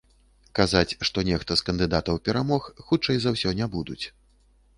Казаць, што нехта з кандыдатаў перамог, хутчэй за ўсё, не будуць.